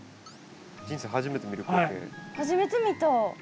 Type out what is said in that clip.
人生初めて見る光景。